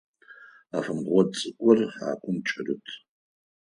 Афэмгъот цӏыкӏур хьакум кӏэрыт.